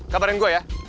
kabarin gue ya